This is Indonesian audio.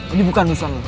ini bukan musnah lo